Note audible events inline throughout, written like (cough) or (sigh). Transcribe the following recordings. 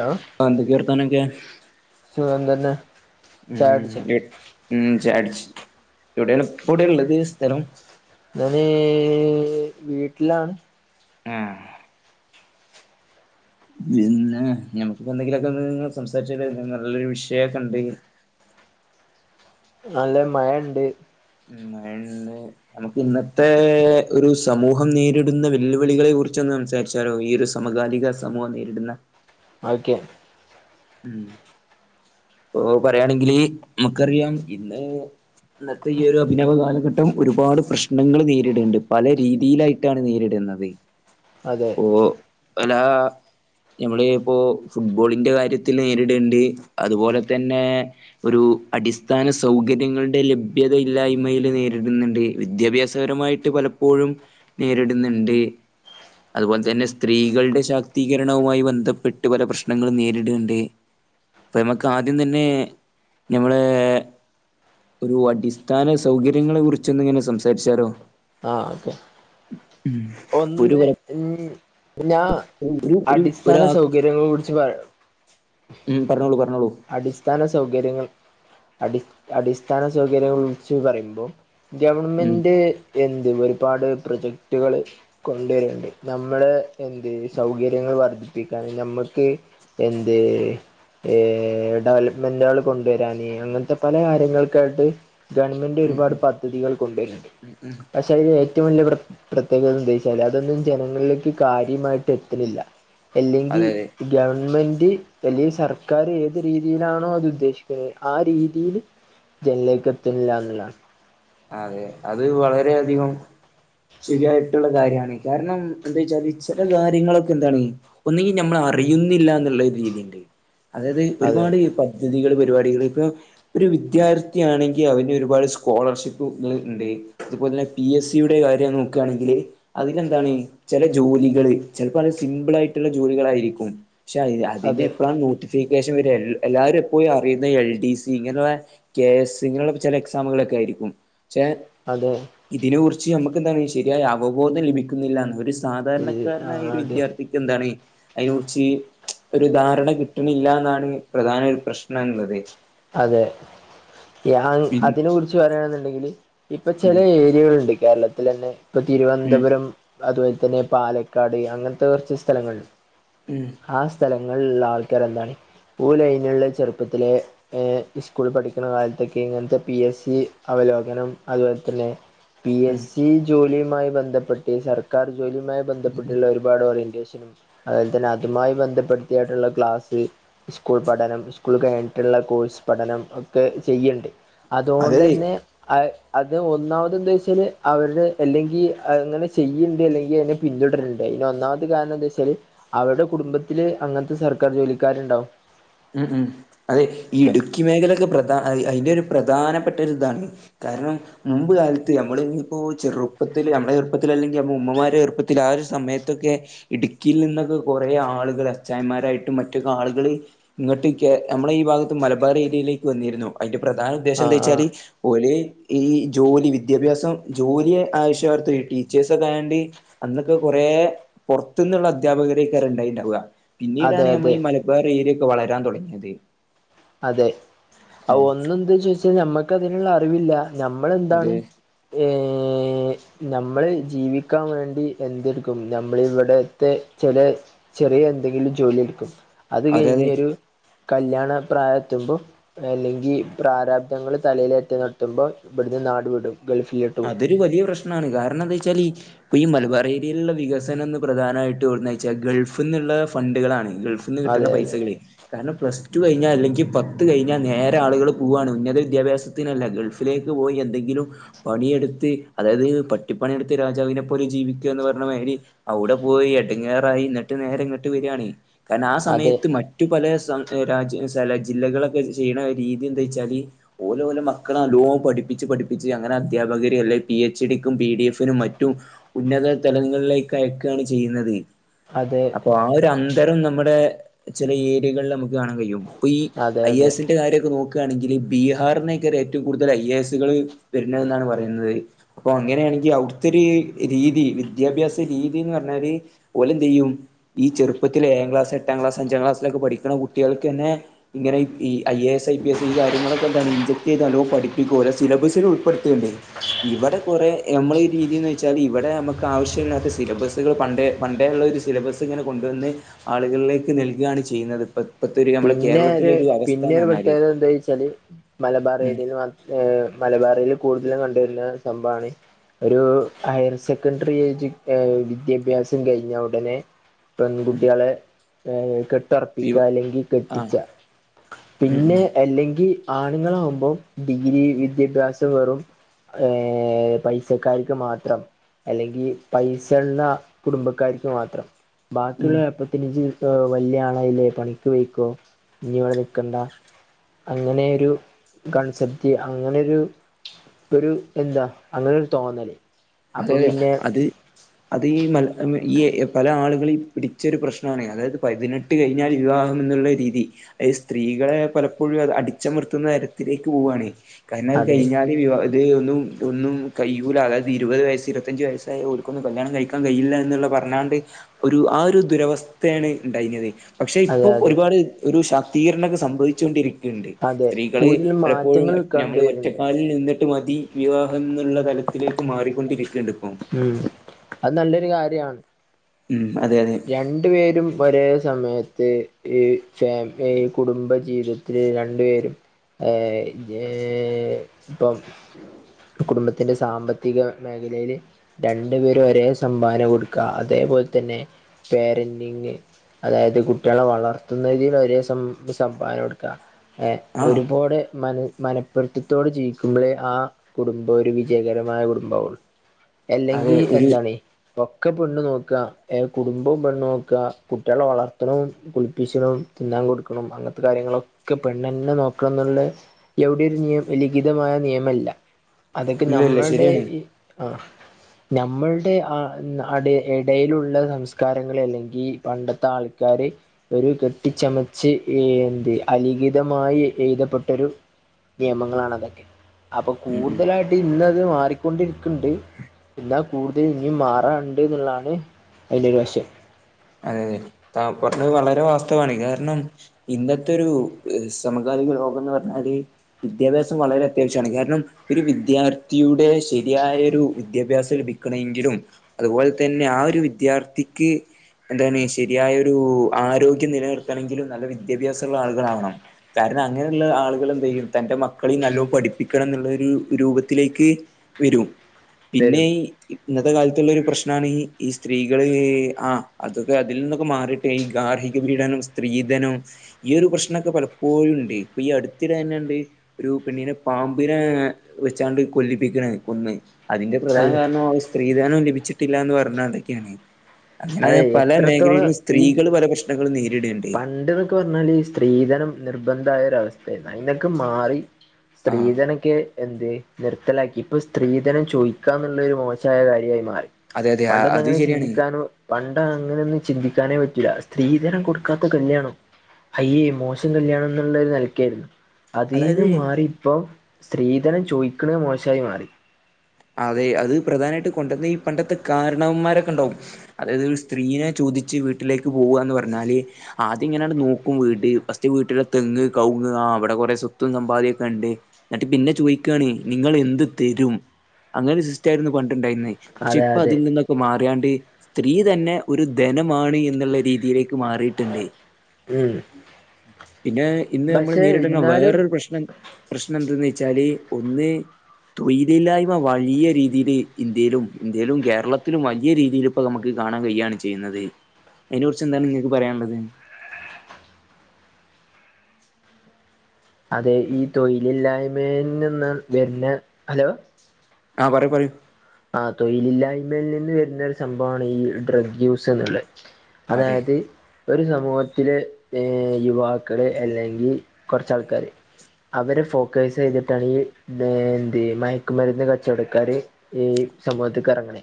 ആ ആഹ് എന്തൊക്കെ വർത്താനൊക്കെ? സുഖം തന്നെ ചായ ഉം കുടിച്ചോ ഉം ചായുട്ച്ച് എവിടേണ് ഇപ്പോടെള്ളത് സ്ഥലം ഞന് വീട്ട്ലാണ്. ഏഹ് പിന്നെ ഞമ്മക്ക്പ്പൊ എന്തൊങ്കിലൊക്കെന്ന് സംസാരിച്ചാലോ നല്ലൊരു വിഷയൊക്കെണ്ടെങ്കി നല്ലെ മയണ്ട്. ഉം മഴണ്ട്. നമുക്ക് ഇന്നത്തെ ഒരു സമൂഹം നേരിടുന്ന വെല്ലുവിളികളെ കുറിച്ചൊന്ന് സംസാരി ച്ചാലോ ഈ ഒരു സമകാലിക സമൂഹം നേരിടുന്ന ഓക്കെ ഉം ഓഹ് പറയാണെങ്കില് നമുക്കറിയാം ഇന്ന് ഇന്നത്തെ ഈ ഒരു അഭിനവ കാലഘട്ടം ഒരുപാട് പ്രശ്നങ്ങള് നേരിട്ണ്ട് പല രീതിയിലായി ട്ടാണ് നേരിട്ന്നത്. അതെ ഓ അല്ലാ ഞമ്മള് പ്പോ ഫുട്ബോളിന്റെ കാര്യത്തില് നേരിട്ണ്ട് അതുപോലെ തന്നെ ഒരു അടിസ്ഥാന സൗകര്യങ്ങളുടെ ലഭ്യത ഇല്ലായ്മയില് നേരിട്ന്ന്ണ്ട്. വിദ്യാഭ്യാസപരമായി ട്ട് പലപ്പോഴും നേരിട്ന്ന്ണ്ട്. അതുപോലെ തന്നെ സ്ത്രീകൾടെ ശാക്തീകരണവുമായി ബന്ധപ്പെട്ട് പല പ്രശ്നങ്ങളും നേരീട്ണ്ട്. അപ്പോം നമുക്ക് ആദ്യം തന്നെ ഞമ്മളേ ഒരു അടിസ്ഥാന സൗകര്യങ്ങളെ കുറിച്ചൊന്ന് ഇങ്ങനെ സംസാരിച്ചാലോ? ആ ഓക്കെ ഉം ഒരു ഒന്ന് ഞാ ഒരു ഒരു അടിസ്ഥാന ഒരാക്ക് സൗകര്യങ്ങളെ കുറിച്ച് പറയാ ഉം പർഞ്ഞോളൂ പർഞ്ഞോളൂ. അടിസ്ഥാന സൗകര്യങ്ങൾ അടി അടിസ്ഥാന സൗകര്യങ്ങളെ കുറിച്ച് പറിമ്പോ ഉം ഗവണ്മെന്റ് എന്ത് ഒരുപാട് പ്രൊജക്ടുകള് കൊണ്ടു വര്ണ്ട്. നമ്മള് എന്ത് സൗകര്യങ്ങൾ വർദ്ധിപ്പിക്കാൻ നമ്മക്ക് എന്ത് ഏഹ് ഏഹ് ഡെവലപ്മെന്റുകള് കൊണ്ടുവരാന് അങ്ങൻത്ത പല കാര്യങ്ങൾക്കായിട്ട് ഗവൺമെന്റ് ഉം ഒരുപാട് ഉം പദ്ധതികൾ കൊണ്ടുവര്ണ്ട്. ഉം ഉം പഷേ അയ്ല് ഏറ്റവും വല്ല്യ പ്ര പ്രത്യേകത എന്തോയ്ച്ചാല് അതൊന്നും ജനങ്ങൾലേക്ക് കാര്യമായിട്ട് എത്ത്ണില്ല. എല്ലെങ്കി അതെ അതെ ഗവൺമെന്റ് എല്ലെങ്കി സർക്കാർ ഏത് രീതിയിലാണോ അത് ഉദ്ദേശിക്ക്ണെ ആ രീതിയില് ജൻ ലേക്കെത്ത്ണില്ല എന്ന്ള്ള അതെ അത് വളരെയധികം ശരിയായിട്ടുള്ള കാര്യാണ്. കാരണം എന്തോയ്ച്ചാല് ചെല കാര്യങ്ങളൊക്കെ എന്താണ് ഒന്നുങ്കി നമ്മള് അറിയുന്നില്ല എന്നുള്ള ഒരു രീതിണ്ട്. അതായത് അതെ ഒരുപാട് പ പദ്ധതികള്, പരിപാടികള് ഇപ്പൊ ഒരു വിദ്യാർത്ഥിയാണെങ്കി അവന് ഒരുപാട് സ്കോളർഷി പ്പുകൾ ഇണ്ട് അതുപോലെ തന്നെ പി എസ് സിയുടെ കാര്യം നോക്കാണെങ്കില് അതിലെന്താണ് ചെല ജോലികള് ചെൽപ്പോ അത് സിമ്പിളായിട്ടുള്ള ജോലികളായിരിക്കും. ഷേ അത് അതിന് അതെ എപ്പ്ളാ നോട്ടിഫിക്കേഷൻ വര എ എല്ലാരും എപ്പോഴും അറിയുന്ന എൽ ഡി സി ഇങ്ങനെയുള്ള കെ എസ് ഇങ്ങനെയുള്ള ചെല എക്സാമുകളൊക്കെ ആയിരിക്കും ഷേ അതെ ഇതിനെ കുറിച്ച് നമ്മക്ക് എന്താണ് ശരിയായ അവബോധം ലഭിക്കുന്നില്ലാന്ന്. ഒര് ആ സാധാരണക്കാരനായ ഒരു അതെ വിദ്യാർ ത്തിക്കെന്താണ് അയിനെ കുറിച്ച് ഒരു ധാരണ കിട്ടണില്ല എന്നതാണ് പ്രധാന ഒരു പ്രശ്നമുള്ളത് അതെ ഞാൻ പിൻ അതിനെ കുറിച്ച് പറയാണെന്നുണ്ടെങ്കില് ഇപ്പൊ ചില ഉം ഏരിയകളുണ്ട് കേരളത്തിൽ തന്നെ ഇപ്പൊ ഉം തിരുവനന്തപുരം അതുപോലെ തന്നെ പാലക്കാട് അങ്ങനത്തെ കുറച്ച് സ്ഥലങ്ങ ഉം ആ സ്ഥലങ്ങളില് ഉള്ള ആൾക്കാർ എന്താണ് (unintelligible) ലൈനുള്ള ചെറുപ്പത്തിലെ സ്കൂളിൽ പഠിക്കണ കാലത്തൊക്കെ ഇങ്ങനത്തെ പി എസ് സി അവലോകനം അതുപോലെ തന്നെ പി ഉം എസ് സി ജോലിയുമായി ബന്ധപ്പെട്ട്, സർക്കാർ ജോലിയുമായി ഉം ബന്ധപ്പെട്ട്ള്ള ഒര് പാട് ഓറിയെന്റെഷൻ അത്പോലെ തന്നെ അതുമായി ബന്ധപ്പെടുത്തിയായിട്ട്ള്ള ക്ലാസ്സ്, സ്കൂൾ പഠനം, സ്കൂൾ കഴിഞ്ഞിട്ട്ള്ള കോഴ്സ് പഠനം ഒക്കെ ചെയ്യ്ണ്ട് അതെ അതോണ്ടെന്നെ അത് അത് ഒന്നാമത് എന്താച്ചാല് അവര് അല്ലെങ്കി അങ്ങനെ ചെയ്യ്ണ്ട് അല്ലെങ്കി അതിൻ്റെ പിന്തുടര്ണ്ട് ഐന് ഒന്നാമത്തെ കാരണം എന്താ വെച്ചാല് അവരുടെ കുടുംബത്തില് അങ്ങൻത്തെ സർക്കാർ ജോലിക്കാര്ണ്ടാവും. ഉം ഉം അതെ ഈ ഇടുക്കി മേഖലൊക്കെ പ്രധാന ഐന്റോരു പ്രധാനപ്പെട്ട ഒരു ഇതാണ് കാരണം മുമ്പ് കാലത്ത് ഞമ്മള് ഞ്ഞിപ്പോ ചെറുപ്പത്തില് ഞമ്മളെ ചെറുപ്പത്തില് അല്ലെങ്കി ഉമ്മമാരുടെ ചെറുപ്പത്തില് ആ ഒരു സമയത്തൊക്കെ ഇടുക്കിയിൽ നിന്നൊക്കെ കൊറേ ആളുകള് അച്ചായന്മാരായിട്ടും മറ്റൊക്കെ ആളുകള് ഇങ്ങട്ടക്കെ നമ്മടെ ഈ ഭാഗത്ത് മലബാർ ഏരിയയിലേക്ക് വന്നിരുന്നു. അതിന്റെ പ്രധാന ഉദ്ദേശം ആ ആ എന്താച്ചാല് ഓല് ഈ ജോലി വിദ്യാഭ്യാസം ജോലി ആയശേഷം ഈ ടീച്ചേഴ്സൊക്കെ ആയേണ്ടി അന്നൊക്കെ കൊറേ പൊർത്ത്ന്ന്ള്ള അധ്യാപകരൊക്കെയാ ഏറെണ്ടായിണ്ടാവുക അതെ പിന്നീടാണ് നമ്മളെ അതെ ഈ മലബാറേരിയൊക്കെ വളരാൻ തൊടങ്ങിയത് അതെ അത് ഒന്നെന്താ ചോയ്ച്ചാ നമ്മക്കതിന്ള്ള അറിവില്ല അത് ഞമ്മളെന്താണ് ഏഹ് ഞമ്മള് ജീവിക്കാൻ വേണ്ടി എന്തെട്ക്കും ഞമ്മളിവെടെത്തെ ചെലേ ചെറ്യേ എന്തെങ്കിലും ജോലി എട്ക്കും, അത് അതായത് കഴിഞ്ഞൊരു കല്യാണ പ്രായെത്തുമ്പോ അല്ലെങ്കിൽ പ്രാരാബ്ധങ്ങള് തലയിലേറ്റി നിർത്തുമ്പോൾ ഇവിട്ന്ന് നാട് വിടും ഗൾഫിലോ അതൊരു വലിയ പ്രശ്നാണ് കാരണന്താവെച്ചാല് ഈ ഇപ്പൊ ഈ മലബാറേരിയില്ള്ള വികസനം എന്ന് പ്രധാനമായിട്ട് എവ്ട്ന്നേച്ചാ ഗൾഫ്ന്നുള്ള ഫണ്ട്കളാണ് ഗൾഫ് ന്ന്ട്ട് കിട്ട്ണ അതെ അതെ പൈസകളെയ് കാരണം പ്ലസ് ടു കഴിഞ്ഞാ അല്ലെങ്കി പത്ത് കഴിഞ്ഞാ നേരെ ആളുകള് പൂവാണ് ഉന്നത വിദ്യാഭ്യാസ ത്തിനല്ല ഗൾഫിലേക്ക് പോയി എന്തെങ്കിലും പണിയെടുത്ത് അതായത് പട്ടിപ്പണിയെടുത്ത് രാജാവിനെ പോലെ ജീവിക്കുക എന്ന് പറീണമാതിരി അവുടെ പോയി എടങ്ങാറായി ന്ന്ട്ട് നേരെ ഇങ്ങട്ട് വരാണെ കാരണം ആ അതെ സമയത്തു മറ്റ് മറ്റു പലേ സം രാജ്യ ജില്ലകളൊക്കെ ചെയ്യണ രീതി എന്താച്ചാല് ഓല് ഓലെ മക്കളെ നല്ലോം പഠിപ്പിച്ച് പഠിപ്പിച്ച് അങ്ങനെ അധ്യാപകര് അല്ലെ പി എച്ച് ഡിക്കും പി ഡി എഫിനും മറ്റും ഉന്നത തലങ്ങളിലേക്ക് അയക്കാണ് ചെയ്യുന്നത്. അതെ അപ്പൊ ആ ഒര് അന്തരം നമ്മുടെ ചെലേ ഏരിയകളിൽ നമ്മക്ക് കാണാൻ കഴിയും ഇപ്പൊ ഈ അതെ ഐ എ അതെ സ്സിന്റെ കാര്യമൊക്കെ നോക്കാണെങ്കില് ബീഹാറിന്നെക്കാണ് ഏറ്റവും കൂടുതൽ ഐ എ സ്സുകള് വര്ന്നതെന്നാണ് പറയുന്നത് അപ്പൊ അങ്ങനെണെങ്കിൽ ഔട്ത്തൊര് രീതി, വിദ്യാഭ്യാസ രീതിന്ന് പറഞ്ഞാല് ഓലെന്തെയ്യും ഈ ചെറുപ്പത്തിൽ ഏഴാം ക്ലാസ്, എട്ടാം ക്ലാസ്, അഞ്ചാം ക്ലാസിലൊക്കെ പഠിക്ക്‌ണെ കുട്ട്യാൾക്കെന്നെ ഇങ്ങനെ ഈ I A S, I P S ഈ കാര്യങ്ങളൊക്കെ എന്താണ് ഇൻചെക്ട് ചെയ്ത് നല്ലോം പഠിപ്പിക്കും ഓലെ സിലബസിൽ ഉൾ പ്പെട്ത്ത്ണ്ട് ഇവിടെ കൊറേ നമ്മളെ രീതിന്ന് വെച്ചാൽ ഇവടെ നമുക്ക് ആവശ്യമില്ലാത്ത സിലബസുകൾ പണ്ടേ പണ്ടേള്ളൊരു സിലബസ് ഇങ്ങനെ കൊണ്ടുവന്ന് ആളുകളിലേക്ക് നൽകുകാണ് ചെയ്യുന്നത് പ്പൊ പിന്നെ ര് പിന്നെ ഒര് പ്രത്യേകത എന്താ വെച്ചാല് മലബാർ ഉം ഏരിയയിൽ മാത്രം ഏഹ് മലബാറേരിയയിൽ കൂടുതൽ കണ്ട് വരുന്ന സംഭവാണ് ഒരു ഹയർ സെക്കൻഡറി ഏജു വിദ്യാഭ്യാസം കഴിഞ്ഞാ ഉടനെ ഉം പെങ്കുട്ട്യാളെ കെട്ടൊർപ്പിക്ക ഇവ അല്ലെങ്കിൽ ആഹ് ട്ടിച്ചാ ഉം പിന്നെ ഉം അല്ലെങ്കിൽ ആണ്ങ്ങളാകുമ്പോ ഡിഗ്രി വിദ്യാഭ്യാസം വെറും ഏഹ് പൈസക്കാർക്ക് മാത്രം അല്ലെങ്കി പൈസള്ള കുടുംബക്കാർക്ക് മാത്രം ഉം ബാക്കിള്ള (unintelligible) വല്ല്യേ ആളായിലെ പണിക്ക് പോയ്‌ക്കോ ഞ്ഞിവടെ നിക്കണ്ട അങ്ങനെരു കൺസെപ്റ്റ് അങ്ങനെരു ഒരു എന്താ അങ്ങനെരു തോന്നൽ അപ്പൊ അതെ അതെ പിന്നെ അത് അത് ഈ മൽ ഈ എ പല ആളുകളീം പിടിച്ചൊരു പ്രശ്നവാണെയ് അതായത് പതിനെട്ട് ട്ട് കഴിഞ്ഞാൽ വിവാഹം എന്നുള്ള രീതി അത് സ്ത്രീകളെ പലപ്പൊഴും അത് അടിച്ചമർത്തുന്ന തരത്തിലേക്ക് പോവാണെയ് കാരണം അത് അതെ കഴിഞ്ഞാല് വിവാ അത് ഒന്നും ഒന്നും കയ്യൂല അതായാ ത് ഇരുവത് വയസ്സ് ഇരുവത്തഞ്ച് വയസ്സായ ഓൽക്കൊന്നും കല്യാണം കഴിക്കാൻ കയൂല എന്ന്ള്ള പറഞ്ഞാണ്ട് ഒരു ആ ഒരു ദുരവസ്ഥേണ് ഇണ്ടായിനത് പക്ഷെ അതെ ഇപ്പൊ അതെ ഒരുപാട് ഒരു ശാക്തീകരണക്കെ സംഭവിച്ചു കൊണ്ടിരി ഇതിലിണ്ട് അതെ സ്ത്രീകള് കൂടുതൽ പലപ്പോഴും മാറ്റങ്ങൾ ഞമ്മള് കണ്ടുവരുന്നുണ്ട് ഒറ്റക്കാലിൽ നിന്നി ട്ട് മതി വിവാഹം എന്നുള്ള തലത്തിലേക്ക് മാറിക്കൊണ്ടിരിക്ക്ണ്ട് പ്പൊ ഉം അത് നല്ലൊരു കാര്യാണ്. ഉം അതെ അതെ. രണ്ടു പേരും ഒരേ സമയത്ത് ഈ ഫാമി ഈ കുടുംബജീവിത ത്തിൽ രണ്ടു പേരും (unintelligible) ഇപ്പം കുടുംബത്തിന്റെ സാമ്പത്തിക മേഖലയില് രണ്ടുപേരും ഒരേ സംഭാവന കൊട്ക്ക അതേപോലെ തന്നെ പേരന്റിങ് അതായത് കുട്ടികളെ വളർത്തുന്നതിന് ഒരേ സം സംഭാവന കൊടുക്ക ഏ ആഹ് ഒരുപൊടെ മല മന പൊര്ത്തതോടെ ജീവിക്കുമ്പളേ ആ കുടുംബെ ഒരു വിജയകരമായ കുടുംബാവുള്ളു. അതെ എല്ലെങ്കി ഒരു എന്താണ് ഒക്കെ പെണ്ണ് നോക്ക ഏ കുടുംബം പെണ് നോക്കുക കുട്ടിയാളെ വളർത്ത്ണം കുൾപ്പിച്ചണം തിന്നാൻ കൊട്ക്കണം അങ്ങത്തെ കാര്യങ്ങളൊക്കെ പെണ്ണന്നെ നോക്കണം എന്ന്ള്ളെ എവിടി ഒരു നിയം ലിഖിതമായ നിയമല്ല അതൊക്കെ ഇല്ലല്ല ഞമ്മൾടെ ശരിയാണ് ഈ ആഹ് ഞമ്മൾടെ ആ അടെ എടയിലുള്ള സംസ് കാരങ്ങളെ അല്ലെങ്കി പണ്ടത്തെ ആൾക്കാര് ഒരു കെട്ടിച്ചമച്ച് ഏ എന്ത് അലിഖിതമായി എഴുതപ്പെട്ട ഒരു നിയമങ്ങളാണ് അതൊക്കെ അപ്പൊ ഉം ഉം കൂട്തലായ്ട്ട് ട്ട് ഇന്ന അത് മാറിക്കൊണ്ടിരിക്ക്ണ്ട് ഇന്നാ കൂടുതൽ ഇനിയും മാറാണ്ട് ഇന്ന്ള്ളാണ്. അതിൻ്റൊരു വശം അതെ യതെ താം പറഞ്ഞത് വളരെ വാസ്തവാണെയ് കാരണം ഇന്നത്തെ ഒരു സമകാലിക ലോകം എന്ന് പറഞ്ഞാല് വിദ്യാഭ്യാസം വളരെ അത്യാവശ്യാണ് കാരണം ഒരു വിദ്യാർത്ഥിയുടെ ശരിയായൊരു വിദ്യാഭ്യാസം ലഭിക്കണേങ്കിലും അത്പോലെ തന്നെ ആ ഒരു വിദ്യാർത്ഥിക്ക് എന്താണ് ശരിയായൊരു ആരോഗ്യം നിലനിർത്തണെങ്കിലും നല്ല വിദ്യാഭ്യാസള്ള ആള്കളാവണം കാരണം അങ്ങനെള്ള ആളുകൾ എന്ത്‌ചെയ്യും തന്റെ മക്കളിം നല്ലോ പഠിപ്പിക്കണം എന്നുള്ളൊരു രൂപത്തിലേക്ക് വെരും പിന്നെ വരും ഈ ഇന്നത്തെ കാലത്ത്ള്ള ഒരു പ്രശ്നാണ് ഈ സ്ത്രീകളില് ആഹ് അതൊക്കെ അതിൽനിന്നൊക്കെ മാറിട്ടെ ഈ ഗാർഹിക പീഡനം സ്ത്രീധനം ഈ ഒരു പ്രശ്നൊക്കെ പലപ്പോഴും ഇണ്ട് ഇപ്പ ഈ അടുത്തിടന്നേ ഇണ്ട് ഒരു പെണ്ണിനെ പാമ്പിനെ വെച്ചാണ്ട് കൊല്ലിപ്പിക്കണെ കൊന്ന് അതിന്റെ പ്രധാന കാരണം സ്ത്രീധാനം ലഭിച്ചിട്ടില്ല എന്ന് പറഞ്ഞണ്ടൊക്കെയാണ്. അതെ എ ല്ലാ മേഖലയിലും സ്ത്രീകള് പല പ്രശ്നങ്ങളും നേരിടേണ്ടി പണ്ട്ന്നൊക്കെ പറഞ്ഞാല് ഈ സ്ത്രീധനം നിർബന്ധായ ഒര അവസ്ഥയ്രുന്നു അയിന്നൊക്കെ മാറി ആ സ്ത്രീധനൊക്കെ എന്ത് നിർത്തലാക്കി ഇപ്പൊ സ്ത്രീധനം ചോയിക്കാന്ന്ള്ള ഒരു മോ (unintelligible) കാര്യായി മാറി അതെ അതെ ആ, പണ്ടൊന്നും പറഞ്ഞ അത് അങ്ങനെ ശരിയാണ് ചിന്തിക്കാനോ പണ്ട് അങ്ങനൊന്നും ചിന്തിക്കാനേ പറ്റൂല്ല സ്ത്രീധനം കൊട് ക്കാത്ത കല്യാണം അയ്യേ മോശം കല്യാണം എന്നുള്ള ഒരു നെലക്കെയിരുന്നു അതീന്ന് അതായത് മാറി ഇപ്പൊ സ്ത്രീധനം ചോയ്ക്ക്ണ മോശായി മാറി അതെ അത് പ്രധാനായിട്ട് കൊണ്ടന്ന ഈ പണ്ടത്തെ കാരണവന്മാരൊക്കെ ഉണ്ടാവും അതായത് സ്ത്രീനെ ചോദിച്ച് വീട്ടിലേക്ക് പോവുകാന്ന് പറഞ്ഞാല് ആദ്യം ഇങ്ങനെയ നോക്കും വീട് ഫസ്റ്റ് വീട്ടില തെങ്ങ് കവങ്ങ് ആ അവിടെ കുറെ സ്വത്തും സമ്പാദ്യ ഒക്കെ ഉണ്ട് എന്നട്ട് പിന്നെ ചോയ്ക്കാണ് നിങ്ങൾ എന്ത് തരും അങ്ങനെ ഒരു സിസ്റ്റ ആയിരുന്നു പണ്ടുണ്ടായിരുന്ന പക്ഷേ അതെ ഇപ്പൊ അതെ അതിങ്ങ ഇപ്പൊ മാറിയാണ്ട് സ്ത്രീ തന്നെ ഒരു ധനമാണ് എന്നുള്ള രീതിയിലേക്ക് മാറിട്ട് ഉം പിന്നെ ഇന്ന് നമ്മള് പക്ഷെ നേരിടുന്ന ഇന്നാലും വേറൊരു പ്രശ്നം പ്രശ്നം എന്താന്ന് വെച്ചാല് ഒന്ന് തൊയ്ലില്ലായ്മ വലിയ രീതിൽ ഇന്ത്യയിലും ഇന്ത്യയിലും കേരളത്തിലും വലിയ രീതിയിൽ ഇപ്പൊ നമുക്ക് കാണാൻ കഴിയാണ് ചെയ്യുന്നത് അതിനെ കുറിച്ച് എന്താണ് നിങ്ങൾക്ക് പറയാനുള്ളത് അതെ ഈ തൊഴിലില്ലായ്മയിൽ നിന്ന് വരുന്ന ഹലോ ആഹ് പറയൂ പറയൂ ആ തൊഴിലില്ലായ്മൽ നിന്ന് വരുന്ന ഒരു സംഭവമാണ് ഈ ഡ്രഗ് യൂസ് എന്നുള്ളത് അതെ അതായത് ഒരു സമൂഹത്തില് ഏ യുവാക്കള് അല്ലെങ്കിൽ കുറച്ചാൾക്കാര് അവരെ ഫോക്കസ് ചെയ്തിട്ടാണ് ഈ എന്ത് മയക്കുമരുന്ന് കച്ചവടക്കാര് ഈ സമൂഹത്തക്ക് ഇറങ്ങണെ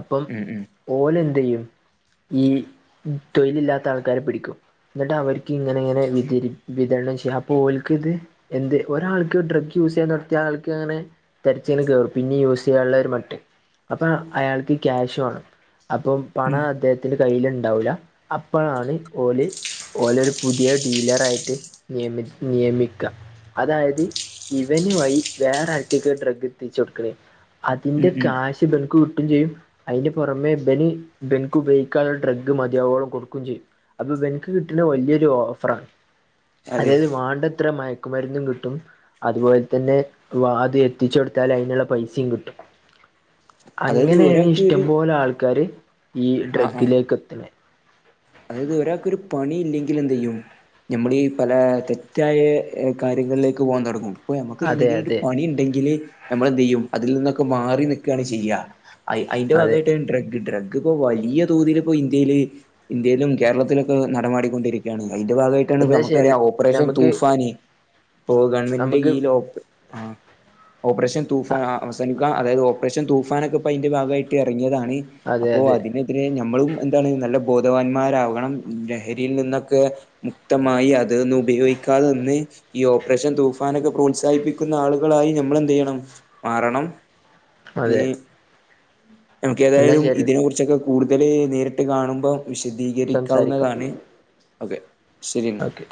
അപ്പം ഉം ഉം ഓലെന്ത് ചെയ്യും ഈ തൊഴിലില്ലാത്ത ആൾക്കാരെ പിടിക്കും എന്നിട്ട് അവർക്ക് ഇങ്ങനെ ഇങ്ങനെ വി വിതരണം ചെയ്യാം അപ്പോ ഓർക്ക് ഇത് എന്ത് ഒരാൾക്ക് ഡ്രഗ് യൂസ് ചെയ്യാൻ നിർത്തിയാ ആൾക്ക് അങ്ങനെ തിരച്ചി കേറും പിന്നെ യ ചെയ്യാനുള്ളവരു മട്ട് അപ്പൊ അയാൾക്ക് ക്യാഷ് വേണം അപ്പം ഉം പണം അദ്ദേഹ ത്തി കയ്ൽ ഉണ്ടാവില്ല അപ്പോഴാണ് ഓലി ഓലരു പുതിയ ഡീലർ ആയിട്ട് നിയമി നിയമിക്കാം അതായത് ഇവന വഴി വേറെ ആൾക്കൊക്ക് ഡ്രഗ് എത്തിച്ച് കൊടുക്കണേ ഉം അതിന്റെ ഉം കാശ് ബങ്ക് കിട്ടുകയും ചെയ്യും അതിന് പുറമെ ബെനി ബെൻക്ക് ഉപയോഗിക്കാനുള്ള ഡ്രഗ്ഗ് മതിയാവോളം കൊടുക്കുകയും ചെയ്യും അപ്പൊ ഇവനക്ക് കിട്ടുന്ന വലിയൊരു ഓഫറാണ് അതെ അതായത് വേണ്ടത്ര മ മരുന്നും കിട്ടും അതുപോലെ തന്നെ വാതി എത്തിച്ച് കൊടുത്താൽ അതിനുള്ള പൈസയും കിട്ടും അതായത് അങ്ങനെയാണ് ഒരാൾക്ക് ഇഷ്ടം ഒരു പോലെ ആൾക്കാര് ഈ ആ ആ ഡ്രഗിലേക്ക് എത്തണ അതായത് ഒരാൾക്കൊരു പണി ഇല്ലെങ്കിൽ എന്ത് ചെയ്യും നമ്മൾഈ പല തെറ്റായ കാര്യങ്ങളിലേക്ക് പോകവാൻ തുടങ്ങും അപ്പൊ നമ്മക്ക അതെ എന്തെങ്കിലും ഒരു അതെ പണി ഉണ്ടെങ്കില് നമ്മൾ എന്ത് ചെയ്യും അതിൽ നിന്നൊക്കെ മാറി നിക്കുകയാണ് ചെയ്യുക അതിന്റെ അതെ ഭാഗമായിട്ട് ഡ്രഗ് ഡ്രഗ് ഇപ്പൊ വലിയ തോതിൽ ഇപ്പോ ഇന്ത്യയില് ഇന്ത്യയിലും കേരളത്തിലൊക്കെ നടപടിക്കൊണ്ടരിക്കയാണ് അതിന്റെ ഭാഗമായിട്ട് എന്നാ ശരി നമക്കറിയാം ഓപ്പറേഷൻ നമുക്ക് തൂഫാന ഇപ്പൊ ഗവൺമെന്റിന്റെ നമുക്ക് കീഴ ആ ഓപ്പറേഷൻ തൂഫാൻ ആ അവസാനിക്കുക അതായത് ഓപ്പറേഷൻ തൂഫാനൻൊക്കെ ഇപ്പോൾ അതിന്റെ ഭാഗമായിട്ട് ഇറങ്ങിയതാണ് അതെ അപ്പോ അതെ അതിനെതിരെ നമ്മളും എന്താണ് നല്ല ബോധവാന്മാരാകണം ലഹരിയിൽ നിന്നൊക്കെ മുക്തമായി അത് ഉപയോഗിക്ക (unintelligible) ഈ ഓപ്പറേഷൻ തൂഫാനൊക്കെ പ്രോത്സാഹിപ്പിക്കുന്ന ആളുകളായി നമ്മൾ എന്ത് ചെയ്യണം മാറണം ഈ അതെ നമുക്ക് എന്നാ ഏതായാലും ശരി ഇതിനെ കുറിച്ചൊക്കെ കൂടുതൽ നേരിട്ട് കാണുമ്പോം സംസാരിക്കാം വിശദീകരിക്കാവുന്നതാണ് ഓക്കെ ശരി എന്നാ ഓക്കെ